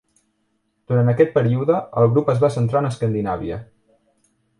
Durant aquest període, el grup es va centrar en Escandinàvia.